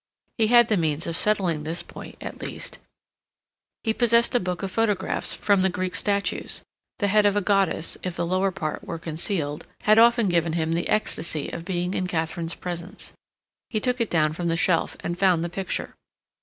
He had the means of settling this point at least. He possessed a book of photographs from the Greek statues; the head of a goddess, if the lower part were concealed, had often given him the ecstasy of being in Katharine's presence. He took it down from the shelf and found the picture.